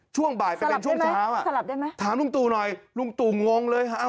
ช่วงบ่ายเป็นช่วงเช้าถามลุงตู่หน่อยลุงตู่งงเลย